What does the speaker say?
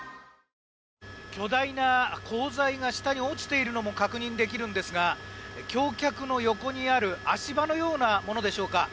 巨大な鋼材が下に落ちているのも確認できるんですが橋脚の横にある足場のようなものでしょうか。